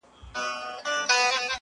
چي مخکي له مخکي هويت ورته ټاکل سوی